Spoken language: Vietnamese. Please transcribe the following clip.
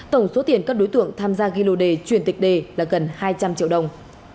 tổng số tiền các đối tượng tham gia ghi lô đề truyền tịch đề là gần hai trăm linh triệu đồng